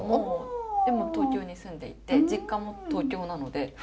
でも東京に住んでいて実家も東京なので。